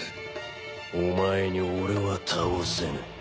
お前に俺は倒せない。